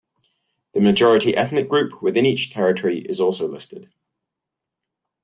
The majority ethnic group within each territory is also listed.